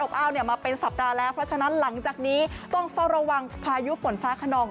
มาเป็นสัปดาห์แล้วเพราะฉะนั้นหลังจากนี้ต้องเฝ้าระวังพายุฝนฟ้าขนอง